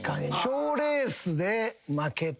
賞レースで負けた？